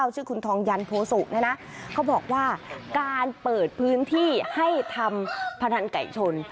ชื่อคุณทองยันโพสุเนี่ยนะเขาบอกว่าการเปิดพื้นที่ให้ทำพนันไก่ชน